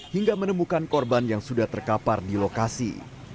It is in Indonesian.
hingga menemukan korban yang sudah terkapar di lokasi